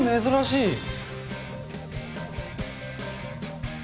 珍しい。